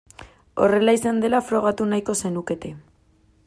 Horrela izan dela frogatu nahiko zenukete.